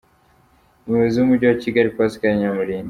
Umuyobozi w’umujyi wa Kigali Pascal Nyamulinda.